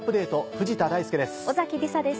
藤田大介です。